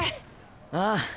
ああ。